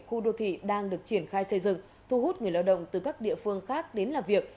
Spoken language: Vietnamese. khu đô thị đang được triển khai xây dựng thu hút người lao động từ các địa phương khác đến làm việc